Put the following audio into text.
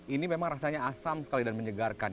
ini memang rasanya asam sekali dan menyegarkan